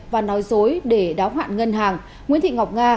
và nói dối để đáo hạn ngân hàng nguyễn thị ngọc nga